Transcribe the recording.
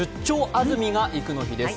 安住がいく」の日です。